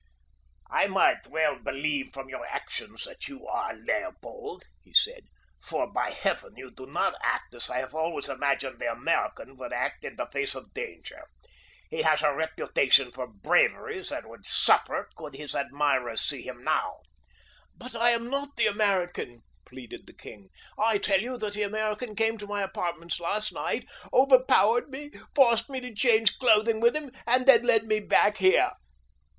"I might well believe from your actions that you are Leopold," he said; "for, by Heaven, you do not act as I have always imagined the American would act in the face of danger. He has a reputation for bravery that would suffer could his admirers see him now." "But I am not the American," pleaded the king. "I tell you that the American came to my apartments last night, overpowered me, forced me to change clothing with him, and then led me back here."